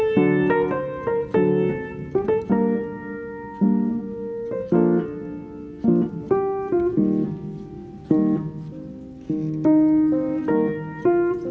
pak bisa lebih cepat nggak pak